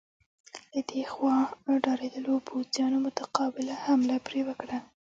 له دې خوا ډارېدلو پوځیانو متقابله حمله پرې وکړه.